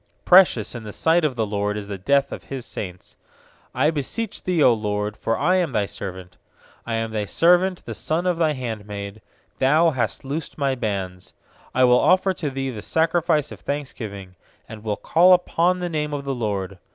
15Precious in the sight of the LORD Is the death of His saints. 16I beseech Thee, 0 LORD, for I am Thy servant; I am Thy servant, the son of Thy handmaid; Thou hast loosed my bands. 17I will offer to Thee the sacrifice of thanksgiving, And will call upon the name of the LORD.